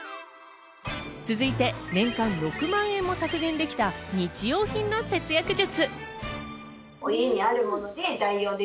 続いて年間６万円も削減できた日用品の節約術。